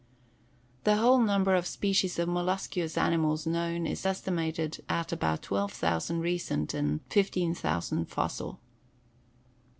The whole number of species of molluscous animals known is estimated at about twelve thousand recent and fifteen thousand fossil.